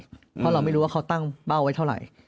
เพราะเราไม่รู้ว่าเขาตั้งเป้าไว้เท่าไหร่